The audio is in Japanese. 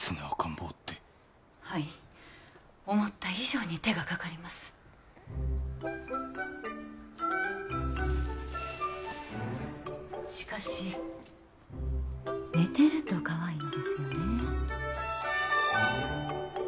赤ん坊ってはい思った以上に手がかかりますしかし寝てるとかわいいのですよね